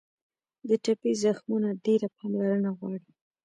د ټپي زخمونه ډېره پاملرنه غواړي.